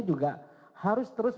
juga harus terus